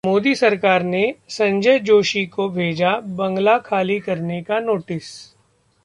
मोदी सरकार ने संजय जोशी को भेजा बंगला खाली करने का नोटिस